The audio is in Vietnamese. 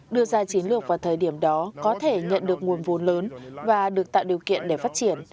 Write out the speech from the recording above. đưa ra chiến lược vào thời điểm đó có thể nhận được nguồn vốn lớn và được tạo điều kiện để phát triển